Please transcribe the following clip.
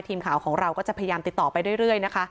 ทีมข่าวของเราก็จะพยายามติดต่อไปเรื่อยนะคะ